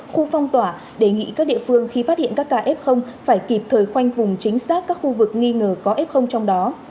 khu phong tỏa đề nghị các địa phương khi phát hiện các ca f phải kịp thời khoanh vùng chính xác các khu vực nghi ngờ có f trong đó